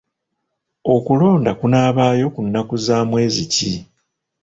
Okulonda kunaabaayo ku nnnaku za mwezi ki?